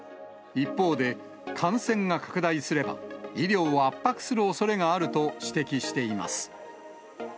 一方で、感染が拡大すれば、医療圧迫するおそれがあると指摘しています。